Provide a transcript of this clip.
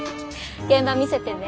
現場見せてね。